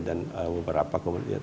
dan beberapa komer